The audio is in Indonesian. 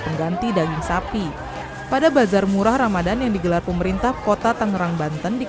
pengganti daging sapi pada bazar murah ramadan yang digelar pemerintah kota tangerang banten di